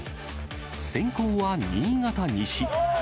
先攻は新潟西。